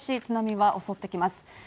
津波は襲ってきます。